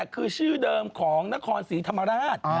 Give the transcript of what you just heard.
คือชื่อเดิมของนครศรีธรรมราช